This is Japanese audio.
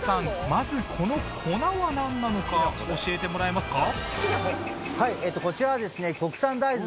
まずこの粉はなんなのか教えてもらえますか？